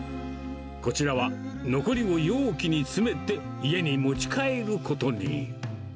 こちらは残りを容器に詰めて、家に持ち帰ることに。